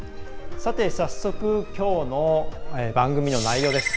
さて、早速きょうの番組の内容です。